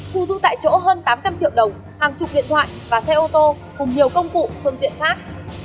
thu giữ tại chỗ hơn tám trăm linh triệu đồng hàng chục điện thoại và xe ô tô cùng nhiều công cụ phương tiện khác